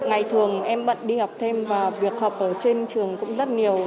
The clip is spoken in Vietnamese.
ngày thường em bận đi học thêm và việc học ở trên trường cũng rất nhiều